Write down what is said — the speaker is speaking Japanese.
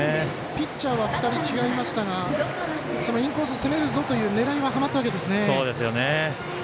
ピッチャーは２人違いましたがそのインコース攻めるぞという狙いは、はまったわけですね。